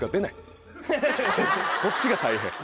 こっちが大変。